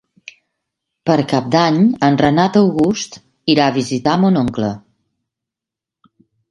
Per Cap d'Any en Renat August irà a visitar mon oncle.